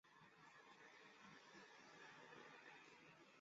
照影片发布更新顺序